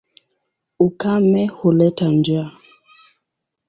Ukame huleta njaa.